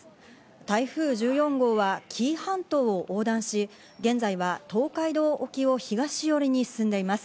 台風１４号は紀伊半島を横断し、現在は東海道沖を東寄りに進んでいます。